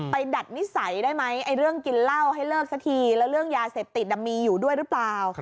ดัดนิสัยได้ไหมเรื่องกินเหล้าให้เลิกสักทีแล้วเรื่องยาเสพติดมีอยู่ด้วยหรือเปล่า